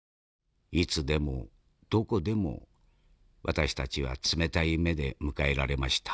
いつでもどこでも私たちは冷たい目で迎えられました。